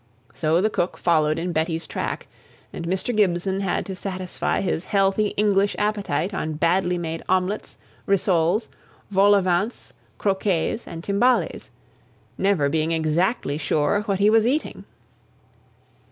So the cook followed in Betty's track, and Mr. Gibson had to satisfy his healthy English appetite on badly made omelettes, rissoles, vol au vents, croquets, and timbales; never being exactly sure what he was eating.